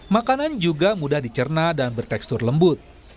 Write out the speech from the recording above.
makanan juga mudah dicerna dan bertekstur lembut